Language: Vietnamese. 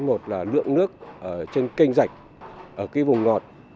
ngay đầu tháng một mươi hai một là lượng nước trên kênh rạch ở cái vùng ngọt